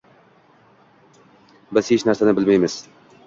Biz hech narsani bilmiymiz.